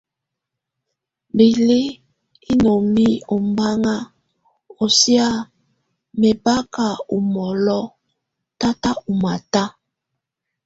Belie Inomi ombanŋ ɔ sia mɛbaka ɔ mɔlɔ tata ɔ mata.